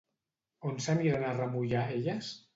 On s'aniran a remullar elles?